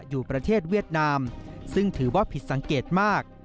อยู่ประเทศเวียดนามซึ่งถือว่าผิดสังเกตมาก